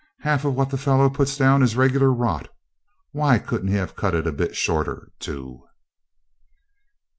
Half what them fellows puts down is regular rot. Why couldn't he have cut it a bit shorter, too?'